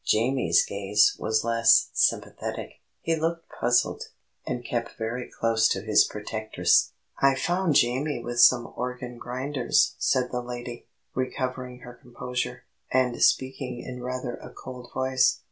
Jamie's gaze was less sympathetic; he looked puzzled, and kept very close to his protectress. "I found Jamie with some organ grinders," said the lady, recovering her composure, and speaking in rather a cold voice.